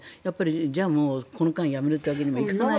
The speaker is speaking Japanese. じゃあもうやめるというわけにもいかない。